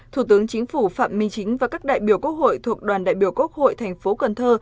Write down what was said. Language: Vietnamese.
thủ tướng chính phủ phạm minh chính và các đại biểu quốc hội thuộc đoàn đại biểu quốc hội thành phố cần thơ